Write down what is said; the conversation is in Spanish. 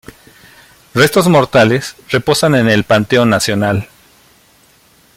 Restos mortales reposan en el Panteón Nacional.